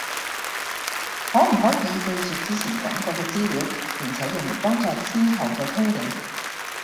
可唔可以記住之前講過嘅資料，並且用嚟幫助之後嘅推理